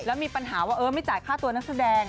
แล้วมีปัญหาว่าเออไม่จ่ายค่าตัวนักแสดง